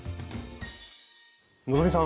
希さん